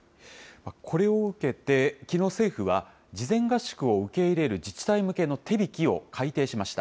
これを受けて、きのう政府は、事前合宿を受け入れる自治体向けの手引を改訂しました。